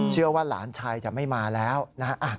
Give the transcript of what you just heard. เชื่อว่าหลานชายจะไม่มาแล้วนะฮะ